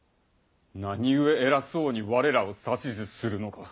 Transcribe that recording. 何故偉そうに我らを指図するのか。